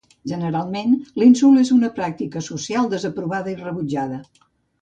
Generalment l'insult és una pràctica social desaprovada i rebutjada.